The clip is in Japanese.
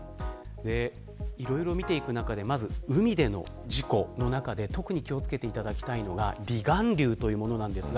いろいろ見ていく中でまず海での事故の中で特に気を付けていただきたいのが離岸流というものです。